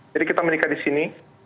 jadi kita menikah di sini